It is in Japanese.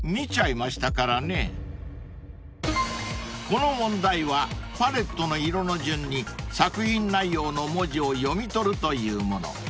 ［この問題はパレットの色の順に作品内容の文字を読み取るというもの］